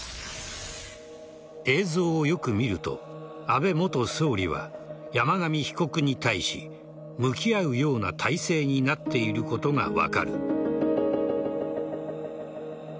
映像をよく見ると、安倍元総理は山上被告に対し向き合うような体勢になっていることが分かる。